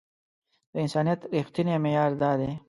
د انسانيت رښتينی معيار دا دی.